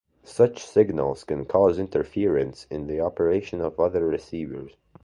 Such signals can cause interference in the operation of other receivers.